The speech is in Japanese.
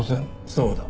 そうだ。